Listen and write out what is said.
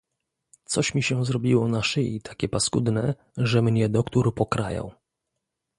"Coś mi się zrobiło na szyi takie paskudne, że mnie doktór pokrajał."